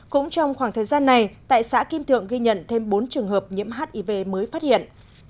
cũng trong khoảng thời gian này tại xã kim thượng ghi nhận thêm bốn trường hợp nhiễm hiv mới phát hiện